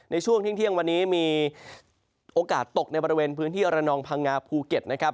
ในช่วงเที่ยงวันนี้มีโอกาสตกในบริเวณพื้นที่ระนองพังงาภูเก็ตนะครับ